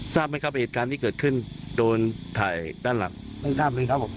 ทราบไหมครับเหตุการณ์ที่เกิดขึ้นโดนถ่ายด้านหลังไม่ทราบเลยครับผม